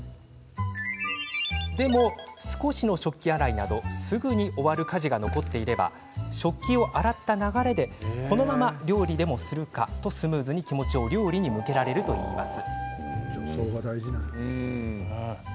でも、少しの食器洗いなどすぐに終わる家事が残っていれば食器を洗った流れでこのまま料理でもするかとスムーズに気持ちを料理に向けられるといいます。